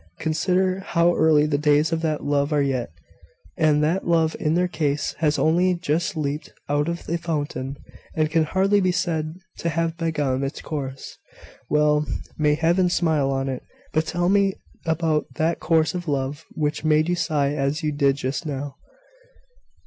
Consider how early the days of that love are yet." "And that love in their case has only just leaped out of the fountain, and can hardly be said to have begun its course. Well! may Heaven smile on it! But tell me about that course of love which made you sigh as you did just now."